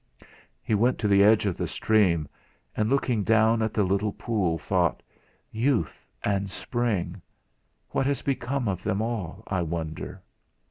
He went to the edge of the stream, and looking down at the little pool, thought: 'Youth and spring! What has become of them all, I wonder?'